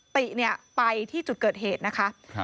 ติเนี่ยไปที่จุดเกิดเหตุนะคะ